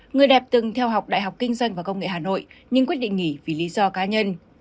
người đẹp từng theo học đại học kinh doanh và công nghệ hà nội nhưng quyết định nghỉ vì lý do cá nhân